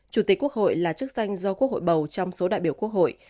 chủ tịch quốc hội là chức danh do quốc hội bầu trong số đại biểu quốc hội